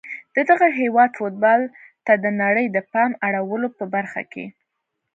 د دغه هیواد فوتبال ته د نړۍ د پام اړولو په برخه کې